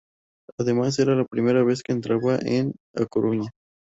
Además, era la primera vez que entraba en A Coruña.